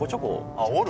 あっおる？